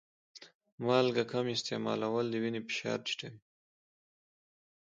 مالګه کم استعمالول د وینې فشار ټیټوي.